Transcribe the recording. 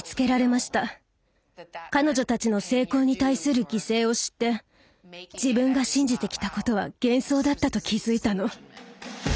彼女たちの成功に対する犠牲を知って自分が信じてきたことは幻想だったと気付いたの。